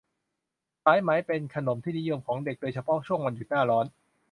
สายไหมเป็นขนมที่นิยมของเด็ก ๆ โดยเฉพาะช่วงวันหยุดหน้าร้อน